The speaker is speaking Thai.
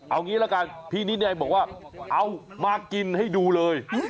เอางี้ละกันพี่นิดัยบอกว่าเอามากินให้ดูเลย